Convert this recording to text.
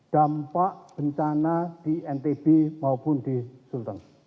dampak bencana di ntb maupun di sultan